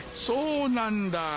そうなんだ。